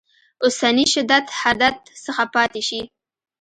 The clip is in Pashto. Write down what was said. اوسني شدت حدت څخه پاتې شي.